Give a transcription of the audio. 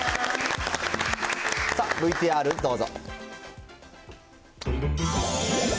さあ、ＶＴＲどうぞ。